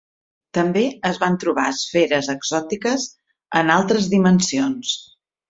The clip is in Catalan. També es van trobar esferes exòtiques en altres dimensions.